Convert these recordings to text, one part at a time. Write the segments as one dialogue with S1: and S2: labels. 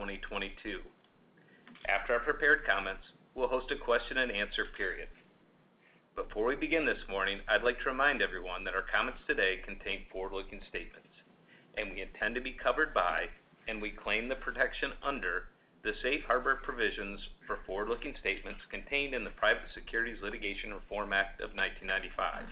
S1: For 2022. After our prepared comments, we'll host a question-and-answer period. Before we begin this morning, I'd like to remind everyone that our comments today contain forward-looking statements, and we intend to be covered by and we claim the protection under the safe harbor provisions for forward-looking statements contained in the Private Securities Litigation Reform Act of 1995.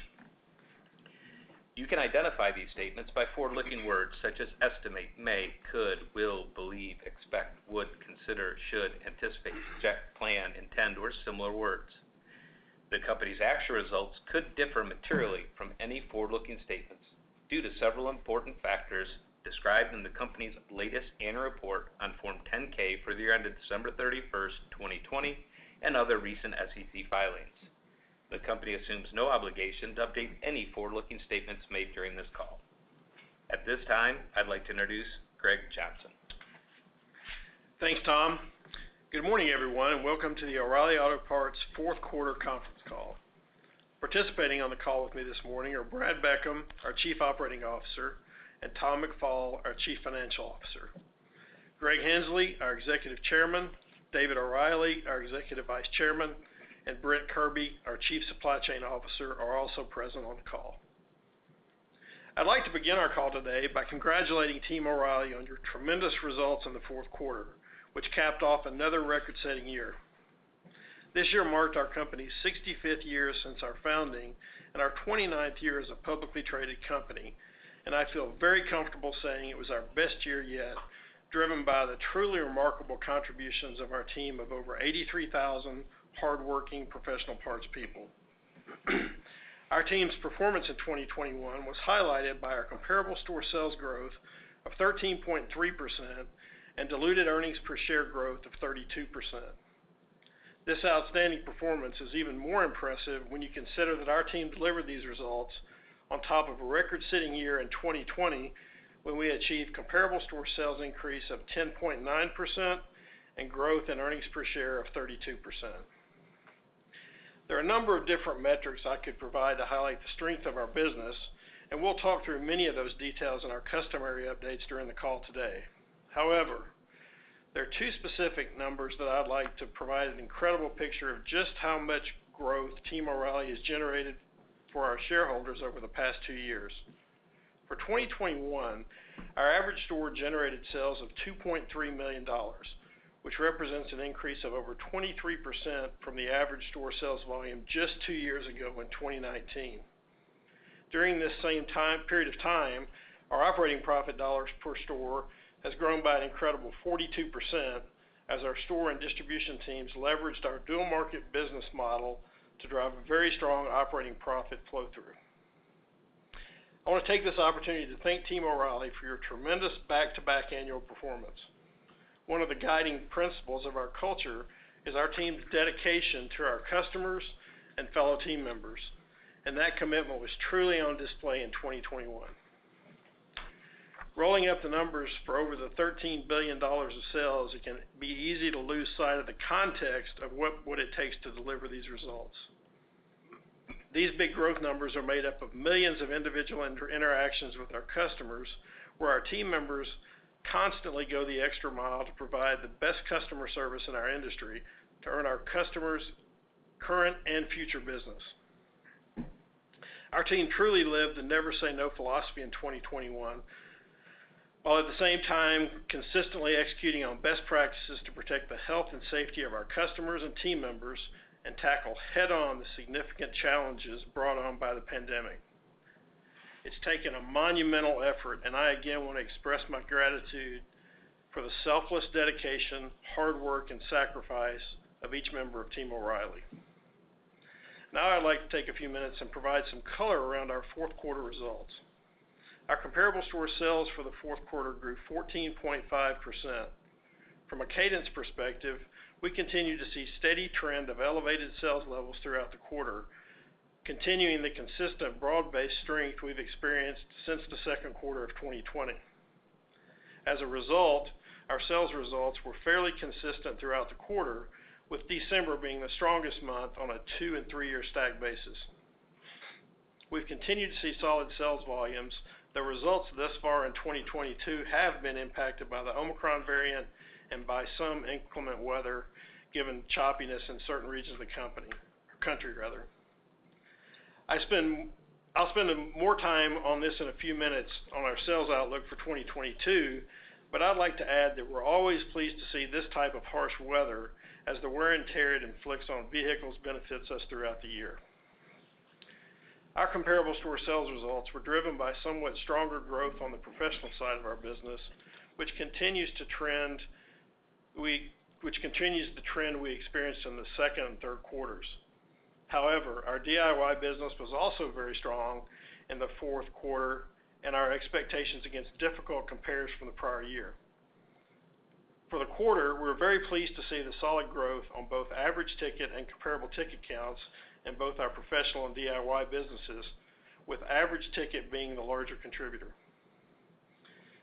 S1: You can identify these statements by forward-looking words such as estimate, may, could, will, believe, expect, would, consider, should, anticipate, project, plan, intend, or similar words. The company's actual results could differ materially from any forward-looking statements due to several important factors described in the company's latest annual report on Form 10-K for the year ended December 31, 2020, and other recent SEC filings. The company assumes no obligation to update any forward-looking statements made during this call. At this time, I'd like to introduce Greg Johnson.
S2: Thanks, Tom. Good morning, everyone, and welcome to the O'Reilly Auto Parts fourth quarter conference call. Participating on the call with me this morning are Brad Beckham, our Chief Operating Officer, and Tom McFall, our Chief Financial Officer. Greg Henslee, our Executive Chairman, David O'Reilly, our Executive Vice Chairman, and Brent Kirby, our Chief Supply Chain Officer, are also present on the call. I'd like to begin our call today by congratulating Team O'Reilly on your tremendous results in the fourth quarter, which capped off another record-setting year. This year marked our company's 65th year since our founding and our 29th year as a publicly traded company. I feel very comfortable saying it was our best year yet, driven by the truly remarkable contributions of our team of over 83,000 hard-working professional parts people. Our team's performance in 2021 was highlighted by our comparable store sales growth of 13.3% and diluted earnings per share growth of 32%. This outstanding performance is even more impressive when you consider that our team delivered these results on top of a record-setting year in 2020, when we achieved comparable store sales increase of 10.9% and growth in earnings per share of 32%. There are a number of different metrics I could provide to highlight the strength of our business, and we'll talk through many of those details in our customary updates during the call today. However, there are two specific numbers that I'd like to provide an incredible picture of just how much growth Team O'Reilly has generated for our shareholders over the past two years. For 2021, our average store-generated sales of $2.3 million, which represents an increase of over 23% from the average store sales volume just two years ago in 2019. During this same time period of time, our operating profit dollars per store has grown by an incredible 42% as our store and distribution teams leveraged our dual market business model to drive a very strong operating profit flow through. I wanna take this opportunity to thank Team O'Reilly for your tremendous back-to-back annual performance. One of the guiding principles of our culture is our team's dedication to our customers and fellow team members, and that commitment was truly on display in 2021. Rolling up the numbers for over $13 billion of sales, it can be easy to lose sight of the context of what it takes to deliver these results. These big growth numbers are made up of millions of individual interactions with our customers, where our team members constantly go the extra mile to provide the best customer service in our industry to earn our customers' current and future business. Our team truly lived the never-say-no philosophy in 2021, while at the same time consistently executing on best practices to protect the health and safety of our customers and team members and tackle head-on the significant challenges brought on by the pandemic. It's taken a monumental effort, and I again wanna express my gratitude for the selfless dedication, hard work, and sacrifice of each member of Team O'Reilly. Now I'd like to take a few minutes and provide some color around our fourth quarter results. Our comparable store sales for the fourth quarter grew 14.5%. From a cadence perspective, we continue to see steady trend of elevated sales levels throughout the quarter, continuing the consistent broad-based strength we've experienced since the second quarter of 2020. As a result, our sales results were fairly consistent throughout the quarter, with December being the strongest month on a two and three-year stack basis. We've continued to see solid sales volumes. The results thus far in 2022 have been impacted by the Omicron variant and by some inclement weather, given choppiness in certain regions of the company, country rather. I'll spend more time on this in a few minutes on our sales outlook for 2022, but I'd like to add that we're always pleased to see this type of harsh weather as the wear and tear it inflicts on vehicles benefits us throughout the year. Our comparable store sales results were driven by somewhat stronger growth on the professional side of our business, which continues the trend we experienced in the second and third quarters. However, our DIY business was also very strong in the fourth quarter and exceeded our expectations against difficult compares from the prior year. For the quarter, we're very pleased to see the solid growth on both average ticket and comparable transaction counts in both our professional and DIY businesses, with average ticket being the larger contributor.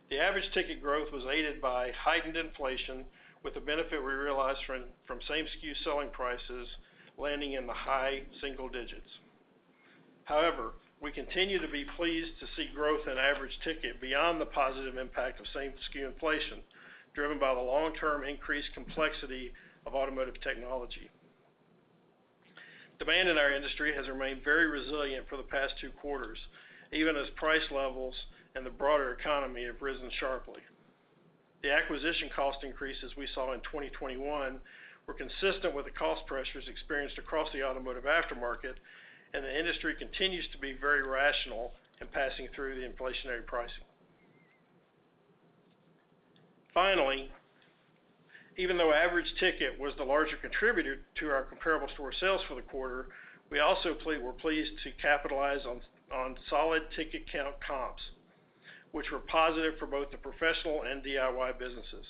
S2: The average ticket growth was aided by heightened inflation with the benefit we realized from same SKU selling prices landing in the high single digits. However, we continue to be pleased to see growth in average ticket beyond the positive impact of same-SKU inflation, driven by the long-term increased complexity of automotive technology. Demand in our industry has remained very resilient for the past two quarters, even as price levels and the broader economy have risen sharply. The acquisition cost increases we saw in 2021 were consistent with the cost pressures experienced across the automotive aftermarket, and the industry continues to be very rational in passing through the inflationary pricing. Finally, even though average ticket was the larger contributor to our comparable store sales for the quarter, we also were pleased to capitalize on solid ticket count comps, which were positive for both the professional and DIY businesses.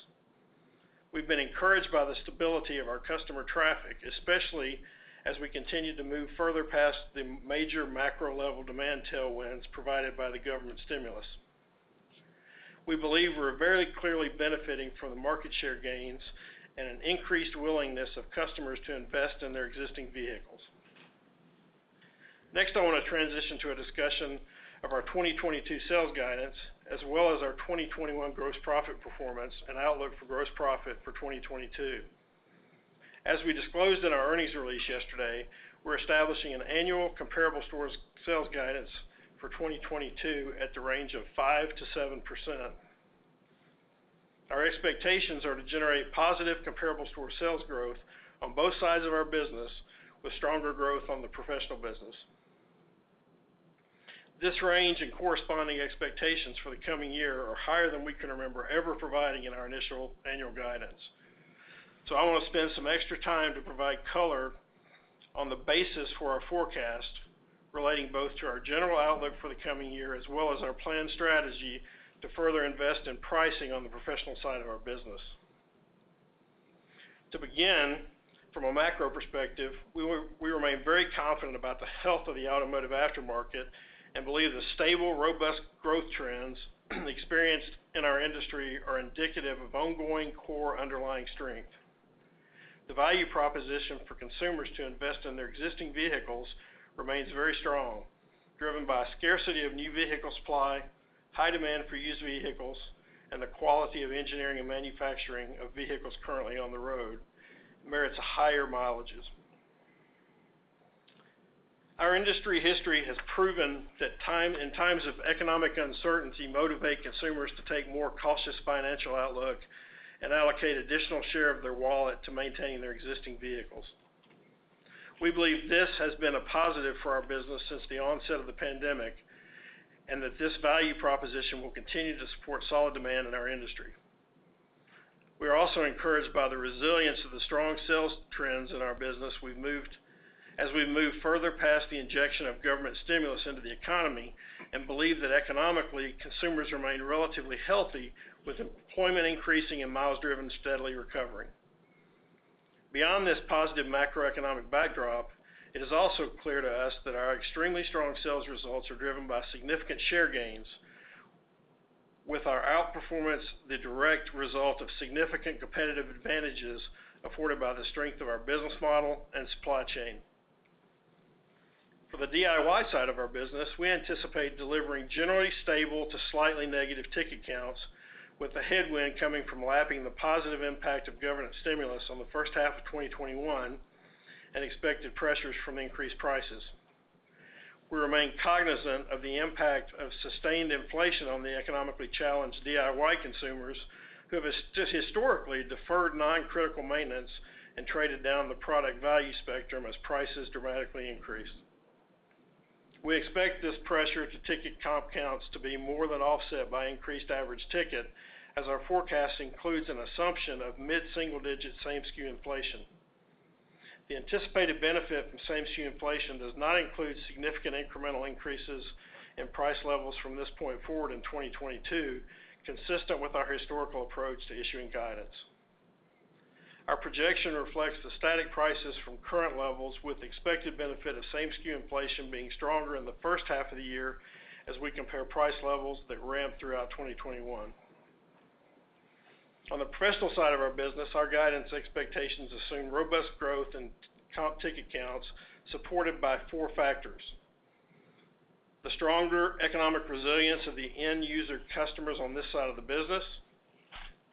S2: We've been encouraged by the stability of our customer traffic, especially as we continue to move further past the major macro-level demand tailwinds provided by the government stimulus. We believe we're very clearly benefiting from the market share gains and an increased willingness of customers to invest in their existing vehicles. Next, I wanna transition to a discussion of our 2022 sales guidance, as well as our 2021 gross profit performance and outlook for gross profit for 2022. As we disclosed in our earnings release yesterday, we're establishing an annual comparable store sales guidance for 2022 at the range of 5%-7%. Our expectations are to generate positive comparable store sales growth on both sides of our business, with stronger growth on the professional business. This range and corresponding expectations for the coming year are higher than we can remember ever providing in our initial annual guidance. I wanna spend some extra time to provide color on the basis for our forecast relating both to our general outlook for the coming year as well as our planned strategy to further invest in pricing on the professional side of our business. To begin, from a macro perspective, we remain very confident about the health of the automotive aftermarket and believe the stable, robust growth trends experienced in our industry are indicative of ongoing core underlying strength. The value proposition for consumers to invest in their existing vehicles remains very strong, driven by scarcity of new vehicle supply, high demand for used vehicles, and the quality of engineering and manufacturing of vehicles currently on the road merits higher mileages. Our industry history has proven that in times of economic uncertainty motivate consumers to take more cautious financial outlook and allocate additional share of their wallet to maintaining their existing vehicles. We believe this has been a positive for our business since the onset of the pandemic, and that this value proposition will continue to support solid demand in our industry. We are also encouraged by the resilience of the strong sales trends in our business as we've moved further past the injection of government stimulus into the economy and believe that economically, consumers remain relatively healthy, with employment increasing and miles driven steadily recovering. Beyond this positive macroeconomic backdrop, it is also clear to us that our extremely strong sales results are driven by significant share gains with our outperformance, the direct result of significant competitive advantages afforded by the strength of our business model and supply chain. For the DIY side of our business, we anticipate delivering generally stable to slightly negative ticket counts, with the headwind coming from lapping the positive impact of government stimulus on the first half of 2021 and expected pressures from increased prices. We remain cognizant of the impact of sustained inflation on the economically challenged DIY consumers who have just historically deferred non-critical maintenance and traded down the product value spectrum as prices dramatically increase. We expect this pressure to ticket comp counts to be more than offset by increased average ticket as our forecast includes an assumption of mid-single-digit same-SKU inflation. The anticipated benefit from same-SKU inflation does not include significant incremental increases in price levels from this point forward in 2022, consistent with our historical approach to issuing guidance. Our projection reflects the static prices from current levels, with the expected benefit of same-SKU inflation being stronger in the first half of the year as we compare price levels that ramped throughout 2021. On the professional side of our business, our guidance expectations assume robust growth in t-comp ticket counts supported by four factors. The stronger economic resilience of the end user customers on this side of the business,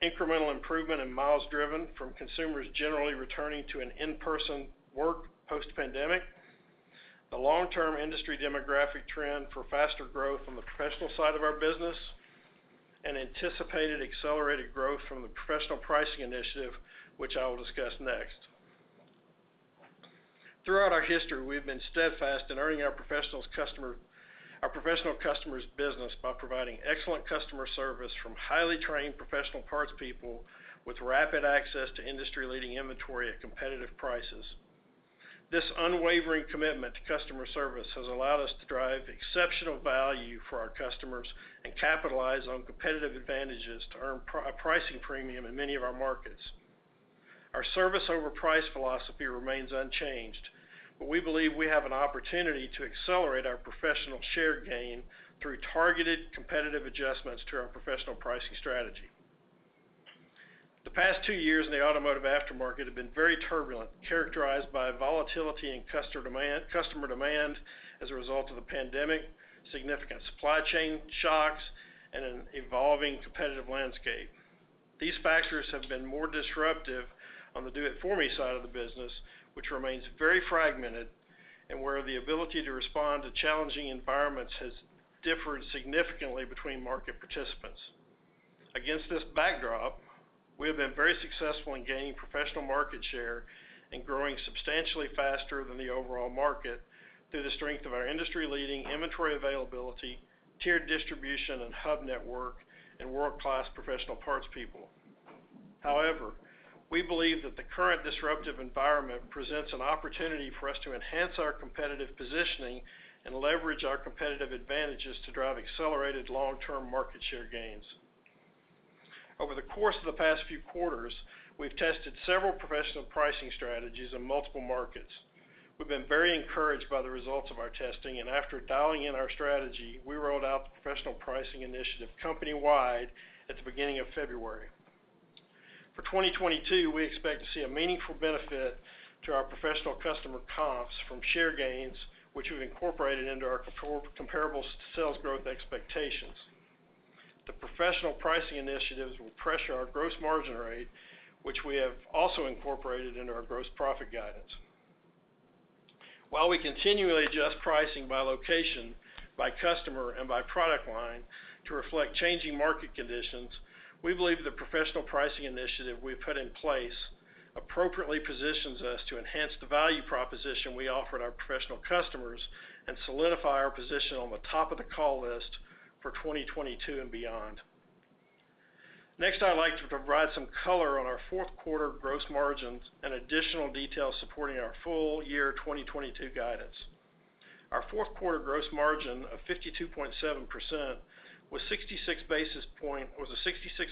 S2: incremental improvement in miles driven from consumers generally returning to an in-person work post-pandemic, the long-term industry demographic trend for faster growth on the professional side of our business, and anticipated accelerated growth from the professional pricing initiative, which I will discuss next. Throughout our history, we have been steadfast in earning our professional customers' business by providing excellent customer service from highly trained professional parts people with rapid access to industry-leading inventory at competitive prices. This unwavering commitment to customer service has allowed us to drive exceptional value for our customers and capitalize on competitive advantages to earn a pricing premium in many of our markets. Our service over price philosophy remains unchanged, but we believe we have an opportunity to accelerate our professional share gain through targeted competitive adjustments to our professional pricing strategy. The past two years in the automotive aftermarket have been very turbulent, characterized by volatility in customer demand as a result of the pandemic, significant supply chain shocks, and an evolving competitive landscape. These factors have been more disruptive on the do-it-for-me side of the business, which remains very fragmented, and where the ability to respond to challenging environments has differed significantly between market participants. Against this backdrop, we have been very successful in gaining professional market share and growing substantially faster than the overall market through the strength of our industry-leading inventory availability, tiered distribution and hub network, and world-class professional parts people. However, we believe that the current disruptive environment presents an opportunity for us to enhance our competitive positioning and leverage our competitive advantages to drive accelerated long-term market share gains. Over the course of the past few quarters, we've tested several professional pricing strategies in multiple markets. We've been very encouraged by the results of our testing, and after dialing in our strategy, we rolled out the professional pricing initiative company-wide at the beginning of February. For 2022, we expect to see a meaningful benefit to our professional customer comps from share gains, which we've incorporated into our comparable sales growth expectations. The professional pricing initiatives will pressure our gross margin rate, which we have also incorporated into our gross profit guidance. While we continually adjust pricing by location, by customer, and by product line to reflect changing market conditions, we believe the professional pricing initiative we've put in place appropriately positions us to enhance the value proposition we offer to our professional customers and solidify our position on the top of the call list for 2022 and beyond. Next, I'd like to provide some color on our fourth quarter gross margins and additional details supporting our full year 2022 guidance. Our fourth quarter gross margin of 52.7% was a 66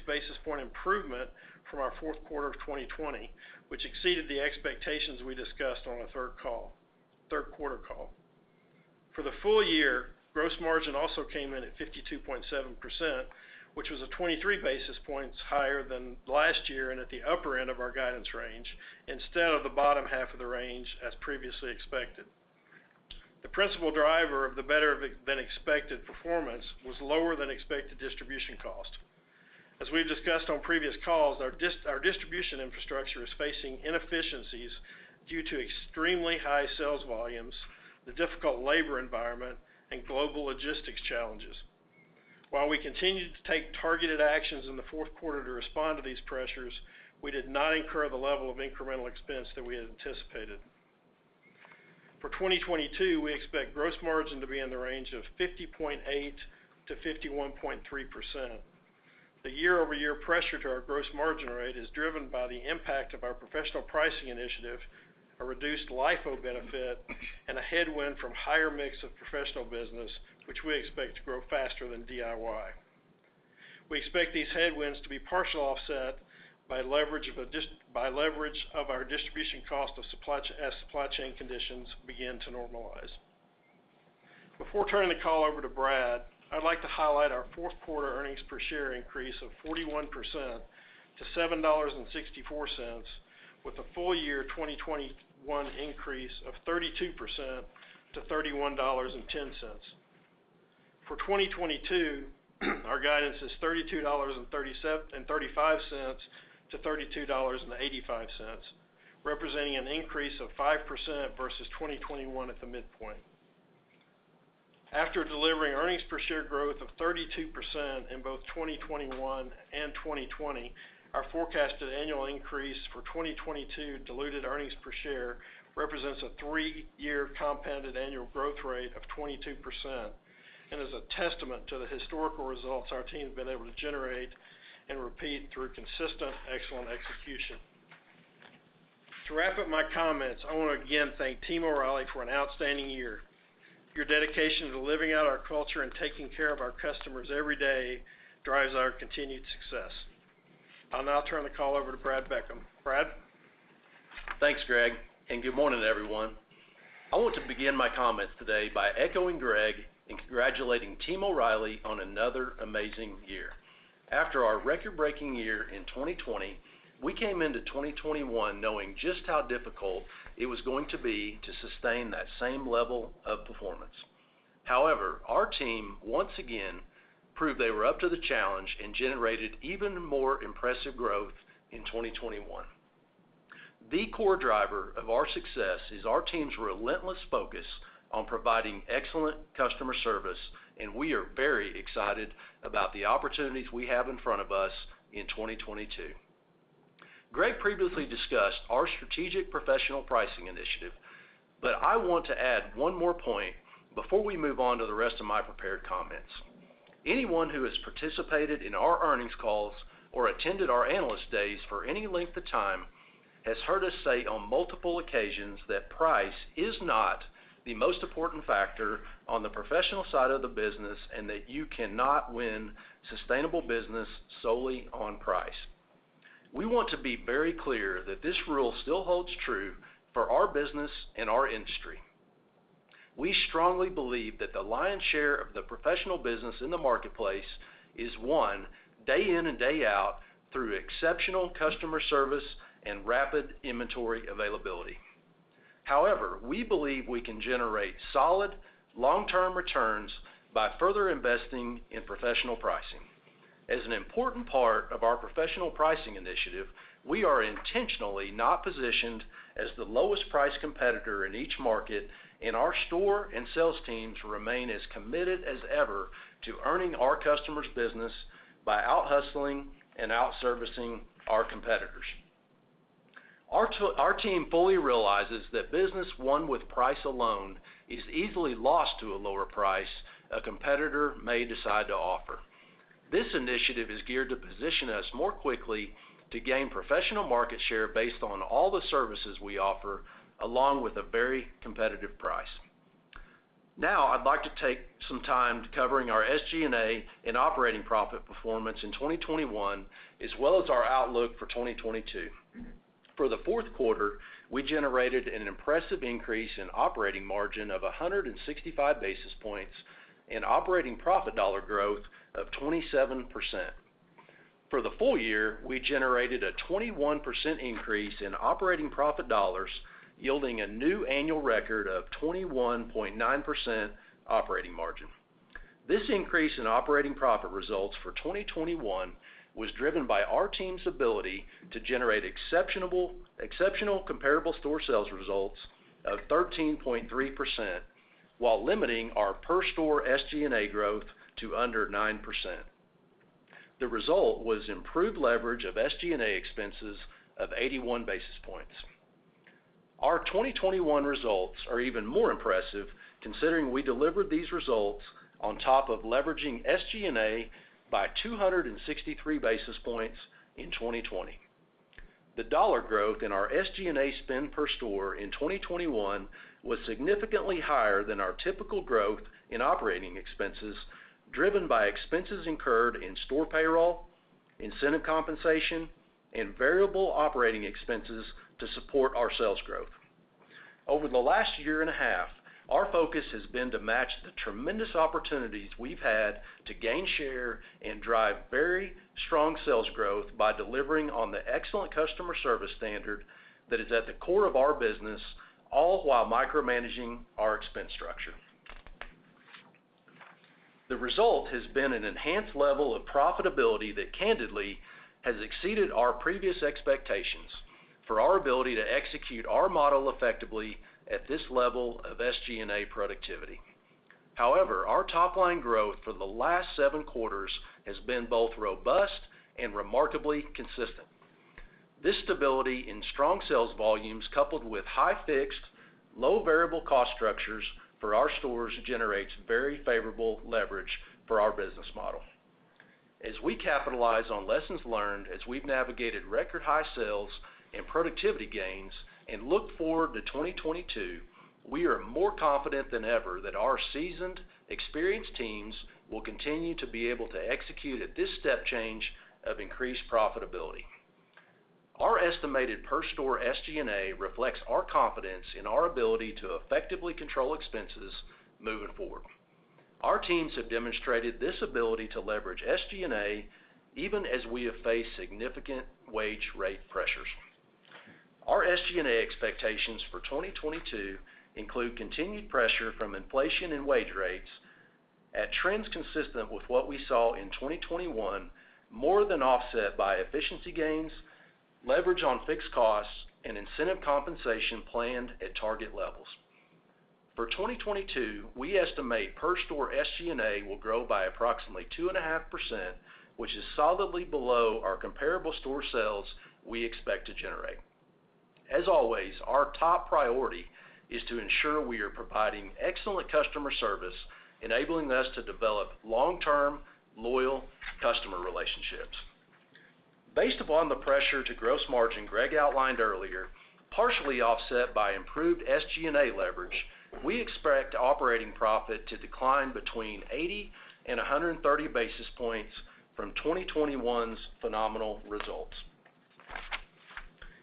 S2: basis point improvement from our fourth quarter of 2020, which exceeded the expectations we discussed on the third quarter call. For the full year, gross margin also came in at 52.7%, which was 23 basis points higher than last year and at the upper end of our guidance range instead of the bottom half of the range as previously expected. The principal driver of the better than expected performance was lower than expected distribution cost. As we've discussed on previous calls, our distribution infrastructure is facing inefficiencies due to extremely high sales volumes, the difficult labor environment, and global logistics challenges. While we continued to take targeted actions in the fourth quarter to respond to these pressures, we did not incur the level of incremental expense that we had anticipated. For 2022, we expect gross margin to be in the range of 50.8%-51.3%. The year-over-year pressure to our gross margin rate is driven by the impact of our professional pricing initiative, a reduced LIFO benefit, and a headwind from higher mix of professional business, which we expect to grow faster than DIY. We expect these headwinds to be partially offset by leverage of our distribution costs as supply chain conditions begin to normalize. Before turning the call over to Brad, I'd like to highlight our fourth quarter earnings per share increase of 41% to $7.64 with a full year 2021 increase of 32% to $31.10. For 2022, our guidance is $32.37-$32.85, representing an increase of 5% versus 2021 at the midpoint. After delivering earnings per share growth of 32% in both 2021 and 2020, our forecasted annual increase for 2022 diluted earnings per share represents a three-year compounded annual growth rate of 22% and is a testament to the historical results our team has been able to generate and repeat through consistent excellent execution. To wrap up my comments, I want to again thank Team O'Reilly for an outstanding year. Your dedication to living out our culture and taking care of our customers every day drives our continued success. I'll now turn the call over to Brad Beckham. Brad?
S3: Thanks, Greg, and good morning, everyone. I want to begin my comments today by echoing Greg in congratulating Team O'Reilly on another amazing year. After our record-breaking year in 2020, we came into 2021 knowing just how difficult it was going to be to sustain that same level of performance. However, our team once again proved they were up to the challenge and generated even more impressive growth in 2021. The core driver of our success is our team's relentless focus on providing excellent customer service, and we are very excited about the opportunities we have in front of us in 2022. Greg previously discussed our strategic professional pricing initiative, but I want to add one more point before we move on to the rest of my prepared comments. Anyone who has participated in our earnings calls or attended our analyst days for any length of time has heard us say on multiple occasions that price is not the most important factor on the professional side of the business, and that you cannot win sustainable business solely on price. We want to be very clear that this rule still holds true for our business and our industry. We strongly believe that the lion's share of the professional business in the marketplace is won day in and day out through exceptional customer service and rapid inventory availability. However, we believe we can generate solid long-term returns by further investing in professional pricing. As an important part of our professional pricing initiative, we are intentionally not positioned as the lowest price competitor in each market, and our store and sales teams remain as committed as ever to earning our customers' business by out-hustling and out-servicing our competitors. Our team fully realizes that business won with price alone is easily lost to a lower price a competitor may decide to offer. This initiative is geared to position us more quickly to gain professional market share based on all the services we offer, along with a very competitive price. Now I'd like to take some time to cover our SG&A and operating profit performance in 2021, as well as our outlook for 2022. For the fourth quarter, we generated an impressive increase in operating margin of 165 basis points and operating profit dollar growth of 27%. For the full year, we generated a 21% increase in operating profit dollars, yielding a new annual record of 21.9% operating margin. This increase in operating profit results for 2021 was driven by our team's ability to generate exceptional comparable store sales results of 13.3% while limiting our per-store SG&A growth to under 9%. The result was improved leverage of SG&A expenses of 81 basis points. Our 2021 results are even more impressive considering we delivered these results on top of leveraging SG&A by 263 basis points in 2020. The dollar growth in our SG&A spend per store in 2021 was significantly higher than our typical growth in operating expenses, driven by expenses incurred in store payroll, incentive compensation, and variable operating expenses to support our sales growth. Over the last year and a half, our focus has been to match the tremendous opportunities we've had to gain share and drive very strong sales growth by delivering on the excellent customer service standard that is at the core of our business, all while micromanaging our expense structure. The result has been an enhanced level of profitability that candidly has exceeded our previous expectations for our ability to execute our model effectively at this level of SG&A productivity. However, our top-line growth for the last seven quarters has been both robust and remarkably consistent. This stability in strong sales volumes coupled with high fixed, low variable cost structures for our stores generates very favorable leverage for our business model. As we capitalize on lessons learned as we've navigated record high sales and productivity gains and look forward to 2022, we are more confident than ever that our seasoned, experienced teams will continue to be able to execute at this step change of increased profitability. Our estimated per-store SG&A reflects our confidence in our ability to effectively control expenses moving forward. Our teams have demonstrated this ability to leverage SG&A even as we have faced significant wage rate pressures. Our SG&A expectations for 2022 include continued pressure from inflation and wage rates at trends consistent with what we saw in 2021 more than offset by efficiency gains, leverage on fixed costs, and incentive compensation planned at target levels. For 2022, we estimate per-store SG&A will grow by approximately 2.5%, which is solidly below our comparable store sales we expect to generate. As always, our top priority is to ensure we are providing excellent customer service, enabling us to develop long-term, loyal customer relationships. Based upon the pressure to gross margin Greg outlined earlier, partially offset by improved SG&A leverage, we expect operating profit to decline between 80 and 130 basis points from 2021's phenomenal results.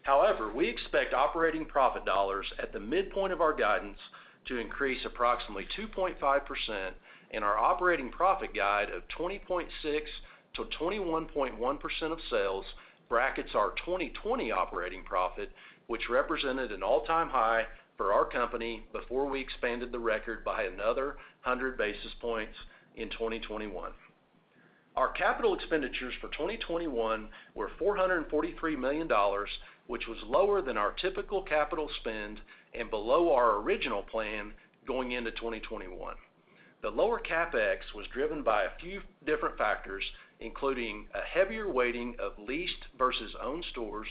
S3: However, we expect operating profit dollars at the midpoint of our guidance to increase approximately 2.5%, and our operating profit guide of 20.6%-21.1% of sales brackets our 2020 operating profit, which represented an all-time high for our company before we expanded the record by another 100 basis points in 2021. Our capital expenditures for 2021 were $443 million, which was lower than our typical capital spend and below our original plan going into 2021. The lower CapEx was driven by a few different factors, including a heavier weighting of leased versus owned stores,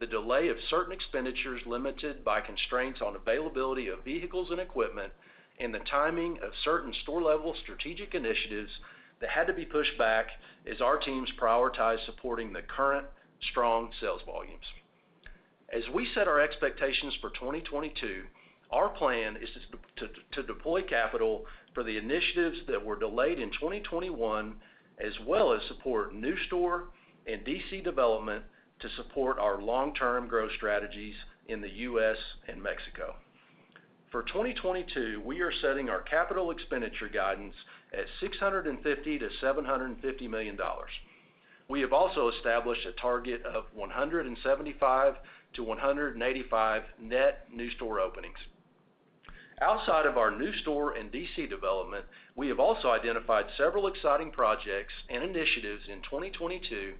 S3: the delay of certain expenditures limited by constraints on availability of vehicles and equipment, and the timing of certain store-level strategic initiatives that had to be pushed back as our teams prioritized supporting the current strong sales volumes. As we set our expectations for 2022, our plan is to deploy capital for the initiatives that were delayed in 2021, as well as support new store and DC development to support our long-term growth strategies in the U.S. and Mexico. For 2022, we are setting our capital expenditure guidance at $650 million-$750 million. We have also established a target of 175-185 net new store openings. Outside of our new store and DC development, we have also identified several exciting projects and initiatives in 2022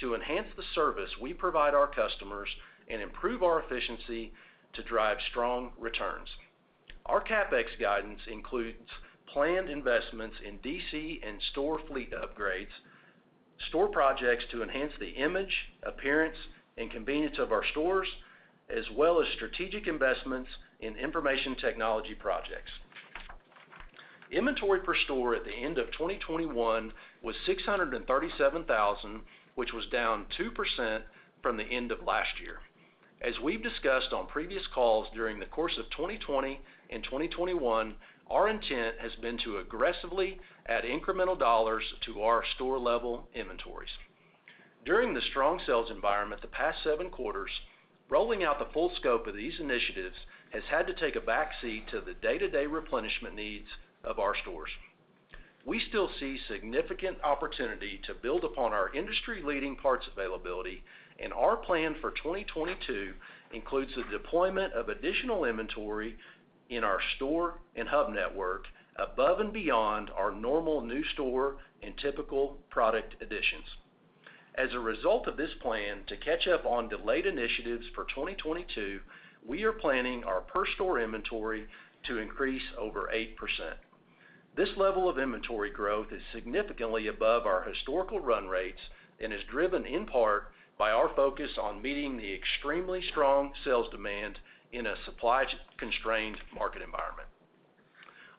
S3: to enhance the service we provide our customers and improve our efficiency to drive strong returns. Our CapEx guidance includes planned investments in DC and store fleet upgrades, store projects to enhance the image, appearance, and convenience of our stores, as well as strategic investments in information technology projects. Inventory per store at the end of 2021 was $637,000, which was down 2% from the end of last year. As we've discussed on previous calls during the course of 2020 and 2021, our intent has been to aggressively add incremental dollars to our store-level inventories. During the strong sales environment the past seven quarters, rolling out the full scope of these initiatives has had to take a backseat to the day-to-day replenishment needs of our stores. We still see significant opportunity to build upon our industry-leading parts availability, and our plan for 2022 includes the deployment of additional inventory in our store and hub network above and beyond our normal new store and typical product additions. As a result of this plan to catch up on delayed initiatives for 2022, we are planning our per store inventory to increase over 8%. This level of inventory growth is significantly above our historical run rates and is driven in part by our focus on meeting the extremely strong sales demand in a supply-constrained market environment.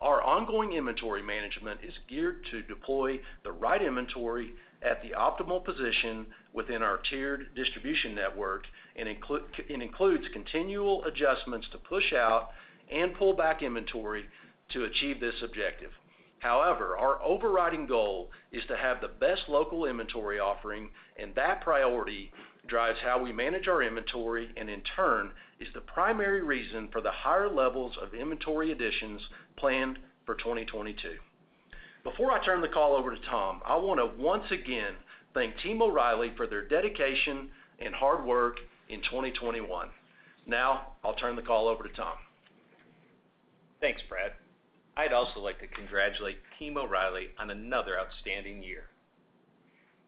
S3: Our ongoing inventory management is geared to deploy the right inventory at the optimal position within our tiered distribution network and includes continual adjustments to push out and pull back inventory to achieve this objective. However, our overriding goal is to have the best local inventory offering, and that priority drives how we manage our inventory, and in turn is the primary reason for the higher levels of inventory additions planned for 2022. Before I turn the call over to Tom, I wanna once again thank Team O'Reilly for their dedication and hard work in 2021. Now, I'll turn the call over to Tom.
S1: Thanks, Brad. I'd also like to congratulate Team O'Reilly on another outstanding year.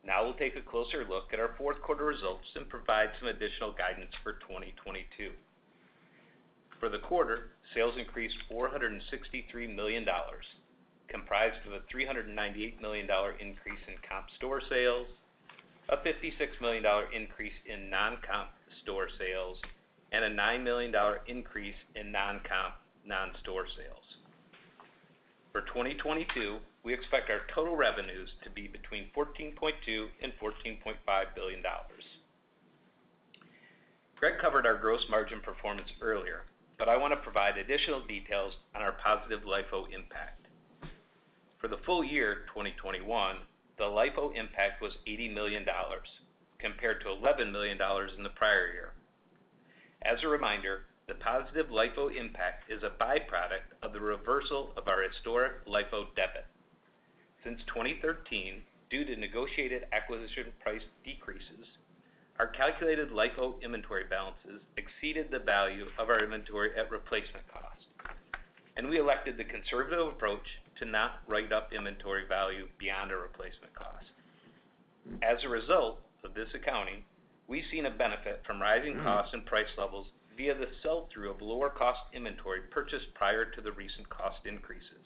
S1: Now we'll take a closer look at our fourth quarter results and provide some additional guidance for 2022. For the quarter, sales increased $463 million, comprised of a $398 million increase in comp store sales, a $56 million increase in non-comp store sales, and a $9 million increase in non-comp non-store sales. For 2022, we expect our total revenues to be between $14.2 billion and $14.5 billion. Brad covered our gross margin performance earlier, but I wanna provide additional details on our positive LIFO impact. For the full year, 2021, the LIFO impact was $80 million compared to $11 million in the prior year. As a reminder, the positive LIFO impact is a by-product of the reversal of our historic LIFO debit. Since 2013, due to negotiated acquisition price decreases, our calculated LIFO inventory balances exceeded the value of our inventory at replacement cost, and we elected the conservative approach to not write up inventory value beyond our replacement cost. As a result of this accounting, we've seen a benefit from rising costs and price levels via the sell-through of lower cost inventory purchased prior to the recent cost increases.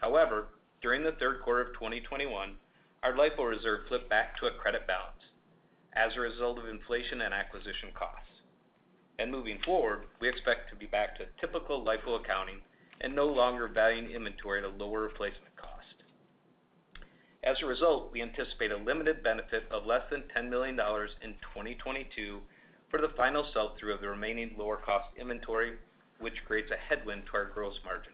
S1: However, during the third quarter of 2021, our LIFO reserve flipped back to a credit balance as a result of inflation and acquisition costs. Moving forward, we expect to be back to typical LIFO accounting and no longer valuing inventory at a lower replacement cost. As a result, we anticipate a limited benefit of less than $10 million in 2022 for the final sell-through of the remaining lower cost inventory, which creates a headwind to our gross margin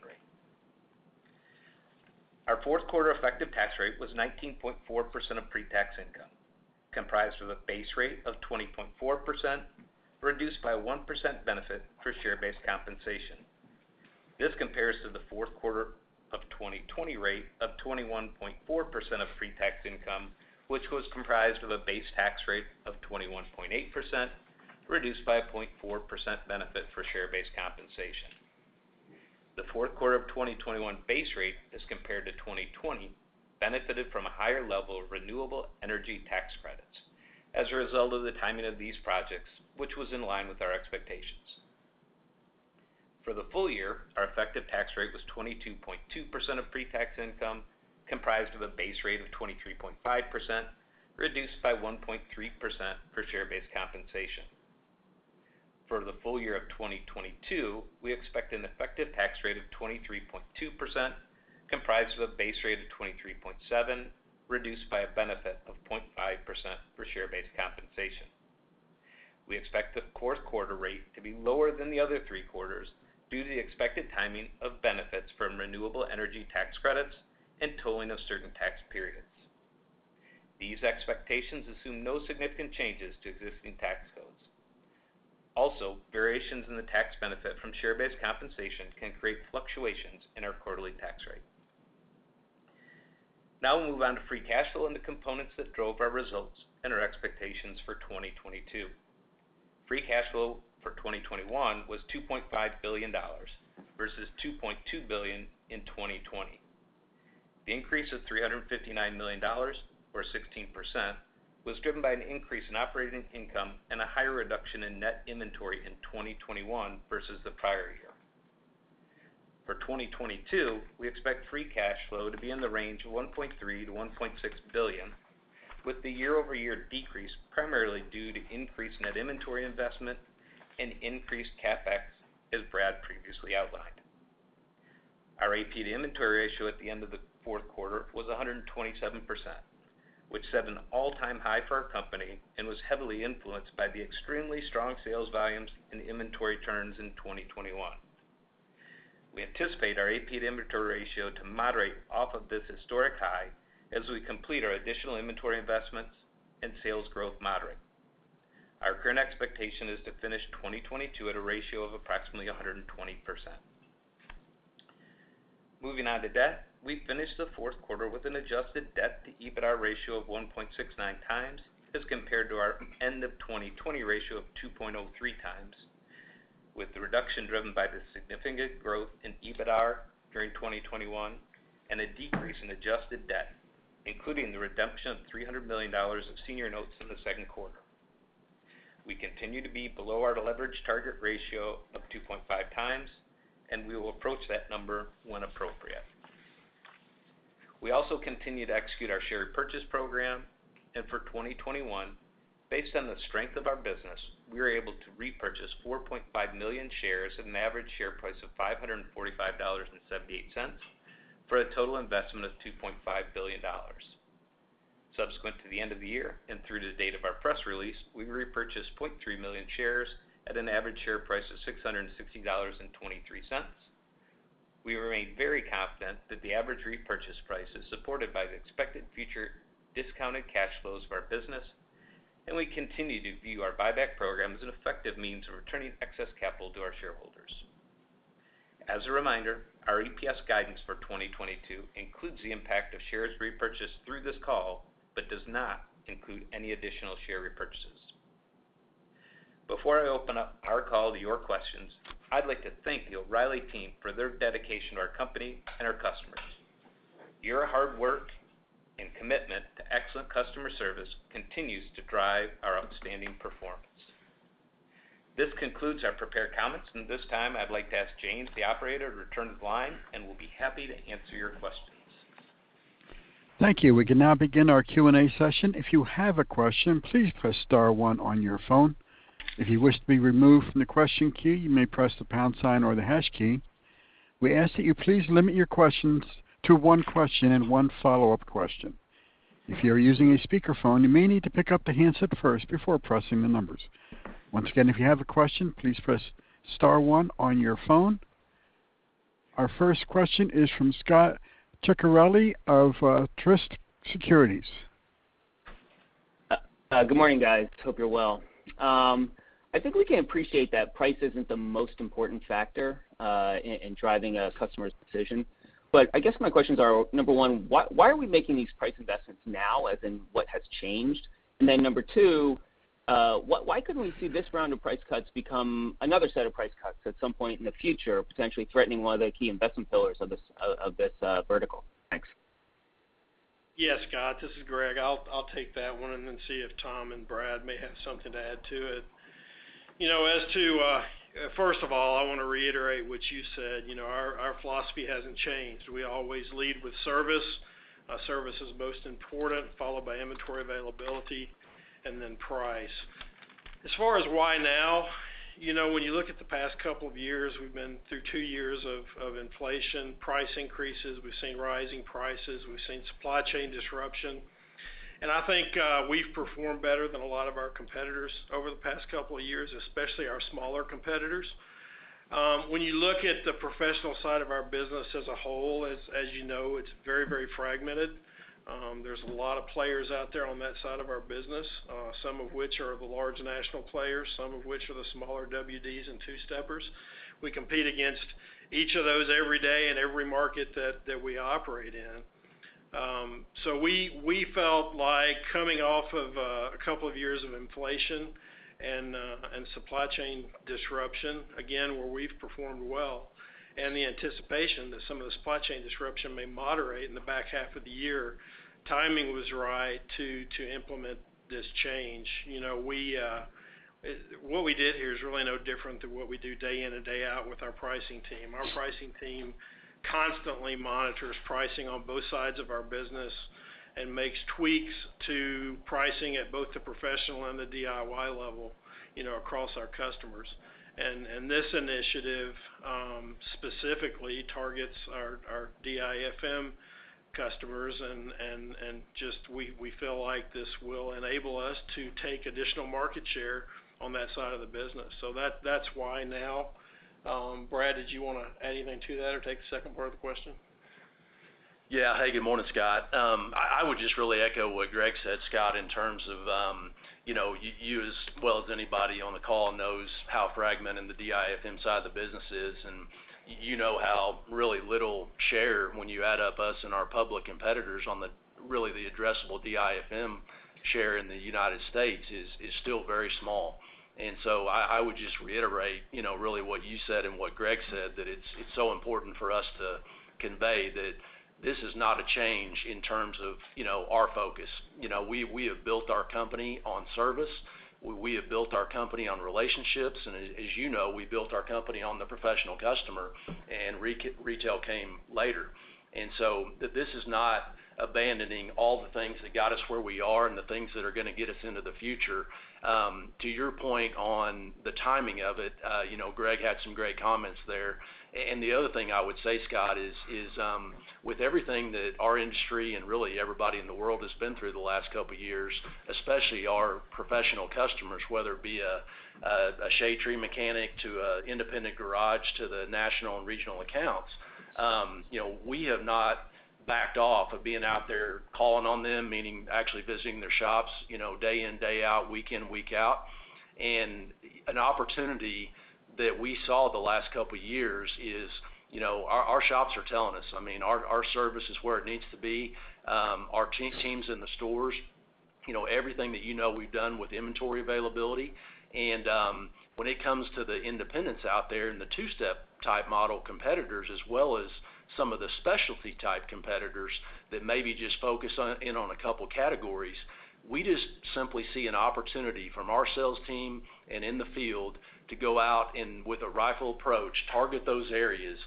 S1: rate. Our fourth quarter effective tax rate was 19.4% of pre-tax income, comprised of a base rate of 20.4%, reduced by a 1% benefit for share-based compensation. This compares to the fourth quarter of 2020 rate of 21.4% of pre-tax income, which was comprised of a base tax rate of 21.8%, reduced by a 0.4% benefit for share-based compensation. The fourth quarter of 2021 base rate as compared to 2020 benefited from a higher level of renewable energy tax credits as a result of the timing of these projects, which was in line with our expectations. For the full year, our effective tax rate was 22.2% of pre-tax income, comprised of a base rate of 23.5%, reduced by 1.3% for share-based compensation. For the full year of 2022, we expect an effective tax rate of 23.2%, comprised of a base rate of 23.7, reduced by a benefit of 0.5% for share-based compensation. We expect the fourth quarter rate to be lower than the other three quarters due to the expected timing of benefits from renewable energy tax credits and tolling of certain tax periods. These expectations assume no significant changes to existing tax codes. Also, variations in the tax benefit from share-based compensation can create fluctuations in our quarterly tax rate. Now we'll move on to free cash flow and the components that drove our results and our expectations for 2022. Free cash flow for 2021 was $2.5 billion versus $2.2 billion in 2020. The increase of $359 million or 16% was driven by an increase in operating income and a higher reduction in net inventory in 2021 versus the prior year. For 2022, we expect free cash flow to be in the range of $1.3 billion-$1.6 billion, with the year-over-year decrease primarily due to increased net inventory investment and increased CapEx, as Brad previously outlined. Our AP to inventory ratio at the end of the fourth quarter was 127%, which set an all-time high for our company and was heavily influenced by the extremely strong sales volumes and inventory turns in 2021. We anticipate our AP to inventory ratio to moderate off of this historic high as we complete our additional inventory investments and sales growth moderate. Our current expectation is to finish 2022 at a ratio of approximately 120%. Moving on to debt. We finished the fourth quarter with an adjusted debt-to-EBITDA ratio of 1.69 times as compared to our end of 2020 ratio of 2.03 times, with the reduction driven by the significant growth in EBITDA during 2021 and a decrease in adjusted debt, including the redemption of $300 million of senior notes in the second quarter. We continue to be below our leverage target ratio of 2.5 times, and we will approach that number when appropriate. We also continue to execute our share repurchase program. For 2021, based on the strength of our business, we were able to repurchase 4.5 million shares at an average share price of $545.78 for a total investment of $2.5 billion. Subsequent to the end of the year and through the date of our press release, we repurchased 0.3 million shares at an average share price of $660.23. We remain very confident that the average repurchase price is supported by the expected future discounted cash flows of our business, and we continue to view our buyback program as an effective means of returning excess capital to our shareholders. As a reminder, our EPS guidance for 2022 includes the impact of shares repurchased through this call but does not include any additional share repurchases. Before I open up our call to your questions, I'd like to thank the O'Reilly team for their dedication to our company and our customers. Your hard work and commitment to excellent customer service continues to drive our outstanding performance. This concludes our prepared comments. At this time, I'd like to ask James, the operator, to return the line, and we'll be happy to answer your questions.
S4: Thank you. We can now begin our Q&A session. If you have a question, please press star one on your phone. If you wish to be removed from the question queue, you may press the pound sign or the hash key. We ask that you please limit your questions to one question and one follow-up question. If you are using a speakerphone, you may need to pick up the handset first before pressing the numbers. Once again, if you have a question, please press star one on your phone. Our first question is from Scot Ciccarelli of Truist Securities.
S5: Good morning, guys. Hope you're well. I think we can appreciate that price isn't the most important factor in driving a customer's decision. I guess my questions are, number one, why are we making these price investments now, as in what has changed? number two, why couldn't we see this round of price cuts become another set of price cuts at some point in the future, potentially threatening one of the key investment pillars of this vertical? Thanks.
S2: Yes, Scot, this is Greg. I'll take that one and then see if Tom and Brad may have something to add to it. You know, first of all, I wanna reiterate what you said. You know, our philosophy hasn't changed. We always lead with service. Service is most important, followed by inventory availability and then price. As far as why now, you know, when you look at the past couple of years, we've been through two years of inflation, price increases. We've seen rising prices. We've seen supply chain disruption. I think we've performed better than a lot of our competitors over the past couple of years, especially our smaller competitors. When you look at the professional side of our business as a whole, as you know, it's very, very fragmented. There's a lot of players out there on that side of our business, some of which are the large national players, some of which are the smaller WDs and two-steppers. We compete against each of those every day in every market that we operate in. We felt like coming off of a couple of years of inflation and supply chain disruption, again, where we've performed well, and the anticipation that some of the supply chain disruption may moderate in the back half of the year, timing was right to implement this change. You know, what we did here is really no different than what we do day in and day out with our pricing team. Our pricing team constantly monitors pricing on both sides of our business and makes tweaks to pricing at both the professional and the DIY level, you know, across our customers. This initiative specifically targets our DIFM customers and just we feel like this will enable us to take additional market share on that side of the business. That's why now. Brad, did you wanna add anything to that or take the second part of the question?
S3: Yeah. Hey, good morning, Scot. I would just really echo what Greg said, Scot, in terms of, you know, you as well as anybody on the call knows how fragmented the DIFM side of the business is, and you know how really little share when you add up us and our public competitors on the really the addressable DIFM share in the United States is still very small. I would just reiterate, you know, really what you said and what Greg said, that it's so important for us to convey that this is not a change in terms of, you know, our focus. You know, we have built our company on service. We have built our company on relationships, and as you know, we built our company on the professional customer and retail came later. This is not abandoning all the things that got us where we are and the things that are gonna get us into the future. To your point on the timing of it, you know, Greg had some great comments there. The other thing I would say, Scot, is with everything that our industry and really everybody in the world has been through the last couple of years, especially our professional customers, whether it be a shade tree mechanic to an independent garage to the national and regional accounts, you know, we have not backed off of being out there calling on them, meaning actually visiting their shops, you know, day in, day out, week in, week out. An opportunity that we saw the last couple of years is, you know, our shops are telling us. I mean, our service is where it needs to be, our teams in the stores, you know, everything that you know we've done with inventory availability. When it comes to the independents out there and the two-step type model competitors as well as some of the specialty type competitors that maybe just focus on a couple of categories, we just simply see an opportunity from our sales team and in the field to go out and with a rifle approach, target those areas.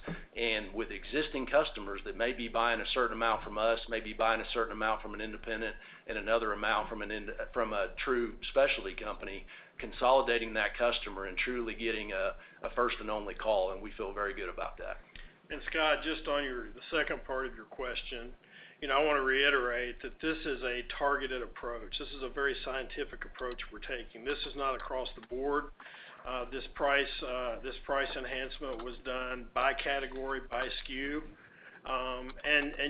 S3: With existing customers that may be buying a certain amount from us, may be buying a certain amount from an independent and another amount from a true specialty company, consolidating that customer and truly getting a first and only call, and we feel very good about that.
S2: Scot, just on the second part of your question, you know, I wanna reiterate that this is a targeted approach. This is a very scientific approach we're taking. This is not across the board. This price enhancement was done by category, by SKU.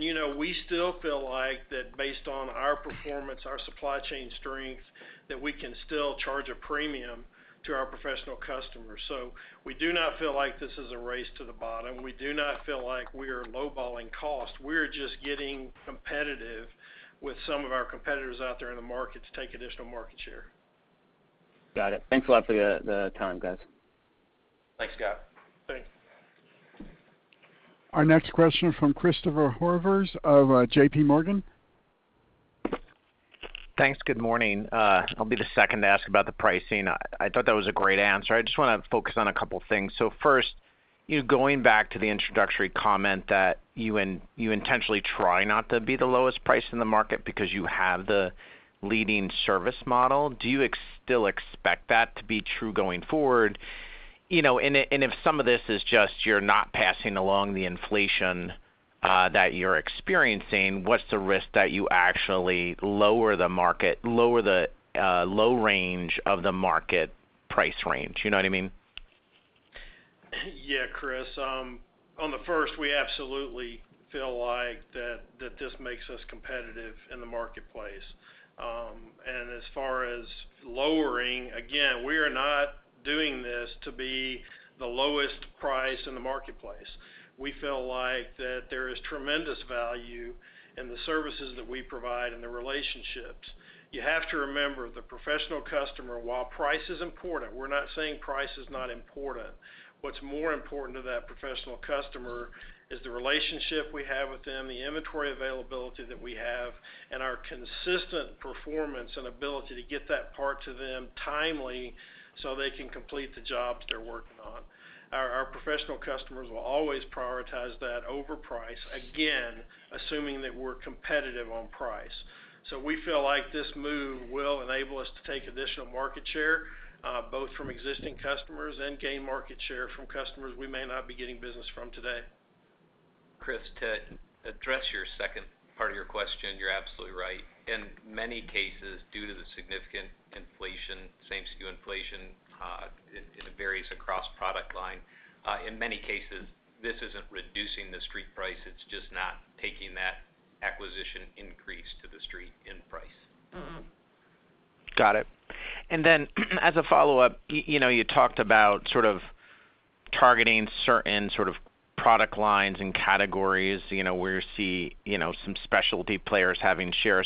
S2: You know, we still feel like that based on our performance, our supply chain strength, that we can still charge a premium to our professional customers. We do not feel like this is a race to the bottom. We do not feel like we are low-balling costs. We're just getting competitive with some of our competitors out there in the market to take additional market share.
S5: Got it. Thanks a lot for the time, guys.
S3: Thanks, Scot.
S2: Thanks.
S4: Our next question from Christopher Horvers of JPMorgan.
S6: Thanks. Good morning. I'll be the second to ask about the pricing. I thought that was a great answer. I just wanna focus on a couple of things. First, you know, going back to the introductory comment that you intentionally try not to be the lowest price in the market because you have the leading service model, do you still expect that to be true going forward? You know, and if some of this is just you're not passing along the inflation that you're experiencing, what's the risk that you actually lower the low range of the market price range? You know what I mean?
S2: Yeah, Chris. On the first, we absolutely feel like that this makes us competitive in the marketplace. As far as lowering, again, we are not doing this to be the lowest price in the marketplace. We feel like that there is tremendous value in the services that we provide and the relationships. You have to remember, the professional customer, while price is important, we're not saying price is not important. What's more important to that professional customer is the relationship we have with them, the inventory availability that we have, and our consistent performance and ability to get that part to them timely so they can complete the jobs they're working on. Our professional customers will always prioritize that over price, again, assuming that we're competitive on price. We feel like this move will enable us to take additional market share, both from existing customers and gain market share from customers we may not be getting business from today.
S3: Chris, to address your second part of your question, you're absolutely right. In many cases, due to the significant inflation, same SKU inflation, and it varies across product line, in many cases, this isn't reducing the street price, it's just not taking that acquisition increase to the street end price.
S6: Got it. As a follow-up, you know, you talked about sort of targeting certain sort of product lines and categories, you know, where you see, you know, some specialty players having share.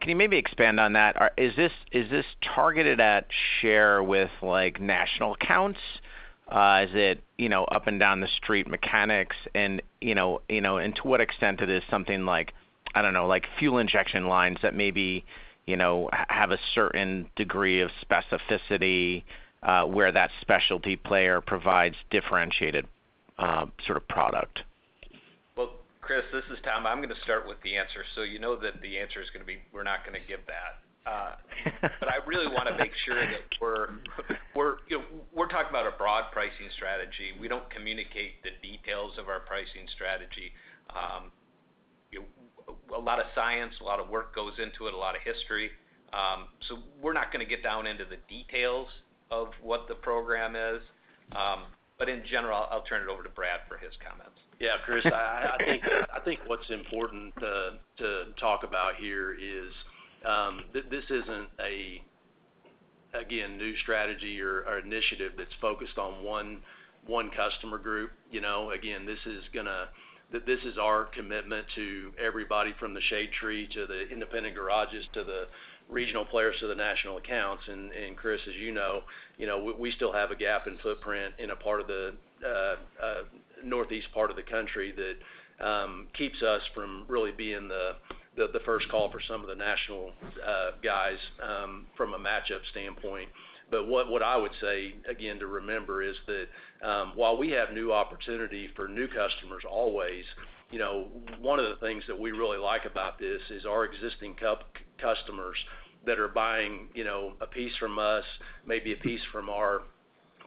S6: Can you maybe expand on that? Is this targeted at share with, like, national accounts? Is it, you know, up and down the street mechanics? You know, and to what extent it is something like, I don't know, like fuel injection lines that maybe, you know, have a certain degree of specificity, where that specialty player provides differentiated, sort of product.
S1: Well, Chris, this is Tom. I'm gonna start with the answer. You know that the answer is gonna be we're not gonna give that. I really wanna make sure that we're. You know, we're talking about a broad pricing strategy. We don't communicate the details of our pricing strategy. A lot of science, a lot of work goes into it, a lot of history. We're not gonna get down into the details of what the program is. In general, I'll turn it over to Brad for his comments.
S3: Yeah, Chris, I think what's important to talk about here is this isn't, again, a new strategy or initiative that's focused on one customer group. You know, again, this is our commitment to everybody from the Shade Tree to the independent garages to the regional players to the national accounts. Chris, as you know, you know, we still have a gap in footprint in a part of the northeast part of the country that keeps us from really being the first call for some of the national guys from a matchup standpoint. What I would say, again, to remember is that, while we have new opportunity for new customers always, you know, one of the things that we really like about this is our existing customers that are buying, you know, a piece from us, maybe a piece from our